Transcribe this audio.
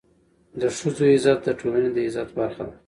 د ښځو عزت د ټولني د عزت برخه ده.